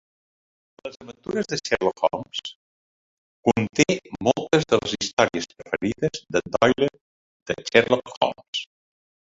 "Les aventures de Sherlock Holmes" conté moltes de les històries preferides de Doyle de Sherlock Holmes.